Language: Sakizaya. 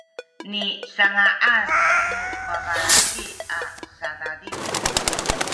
nisanga’an nu babalaki a sadadiw